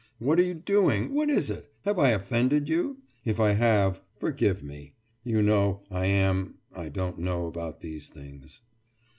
What are you doing? What is it? Have I offended you? If I have, forgive me. You know, I am ... I don't know about these things.